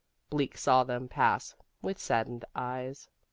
Bleak saw them pass with saddened eyes.